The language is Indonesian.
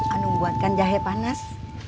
anu buatkan jahe panas